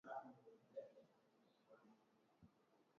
Kongo inashirikiana mipaka na nchi zote za Afrika Mashariki